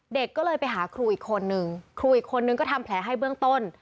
เด็กก็เลยไปหาครูอีกคนนึงครูอีกคนนึงก็ทำแผลให้เบื้องต้น